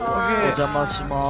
お邪魔します。